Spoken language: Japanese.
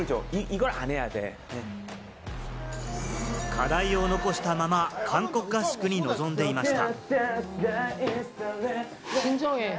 課題を残したまま、韓国合宿に臨んでいました。